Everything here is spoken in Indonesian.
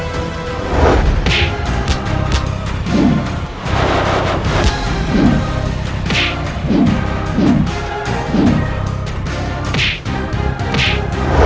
kau akan menang